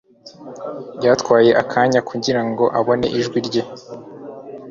Byatwaye akanya kugirango abone ijwi rye